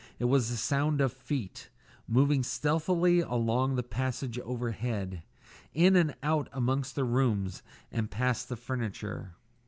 It was the sound of feet, moving stealthily along the passage overhead, in and out among the rooms, and past the furniture.